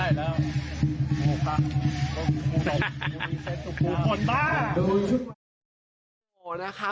โอเหาะนะคะ